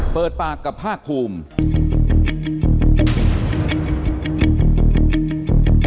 เปิดปากกับภาคภูมิ